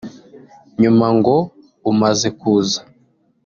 nyuma ngo umaze kuza